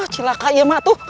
cilaka itu atu